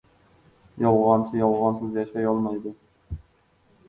Yolg‘onchi yolg‘onsiz yashay olmaydi.